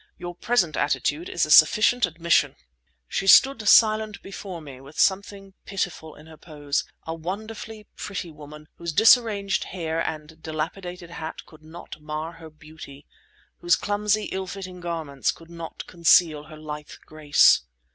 "Your present attitude is a sufficient admission!" She stood silent before me, with something pitiful in her pose—a wonderfully pretty woman, whose disarranged hair and dilapidated hat could not mar her beauty; whose clumsy, ill fitting garments could not conceal her lithe grace.